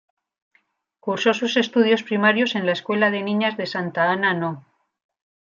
Cursó sus estudios primarios en la Escuela de Niñas de Santa Ana No.